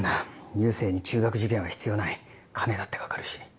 佑星に中学受験は必要ない金だってかかるし。